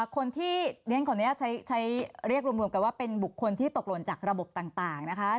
คนที่เรียกรวมรวมกันว่าเป็นบุคคลที่ตกหล่นจากระบบต่างนะคะ